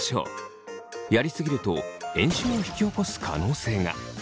やりすぎると炎症を引き起こす可能性が。